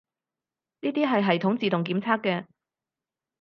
呢啲係系統自動檢測嘅